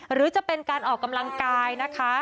หรือจะเป็นการออกกำลังกายนะคะ